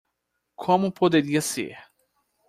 Como poderia ser?